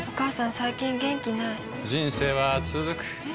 最近元気ない人生はつづくえ？